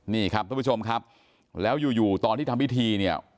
นี่ครับทุกผู้ชมครับแล้วอยู่ตอนที่ทำพิธีเนี่ย